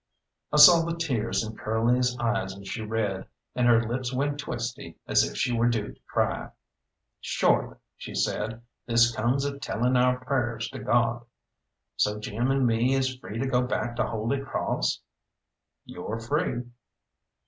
I saw the tears in Curly's eyes as she read, and her lips went twisty as if she were due to cry. "Shorely," she said, "this comes of tellin' our prayers to God. So Jim and me is free to go back to Holy Crawss?" "You're free."